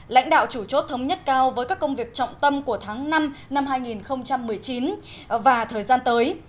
lãnh đạo chủ chốt thống nhất cao với các công việc trọng tâm của tháng năm năm hai nghìn một mươi chín và thời gian tới